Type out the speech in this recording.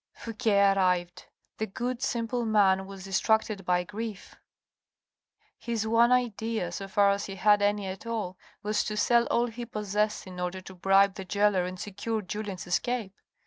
Fouque arrived. The good, simple man, was distracted by grief. His one idea, so far as he had any at all, was to sell all he possessed in order to bribe the gaoler and secure Julien's escape.